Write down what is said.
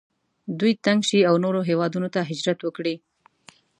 دوی تنګ شي او نورو هیوادونو ته هجرت وکړي.